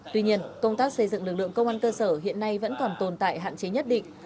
tuy nhiên công tác xây dựng lực lượng công an cơ sở hiện nay vẫn còn tồn tại hạn chế nhất định